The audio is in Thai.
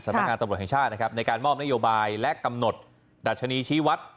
สนักงานตำรวจของสหรัฐครับการมอบนโยบายและกำหนดราชนีชีวัตครับ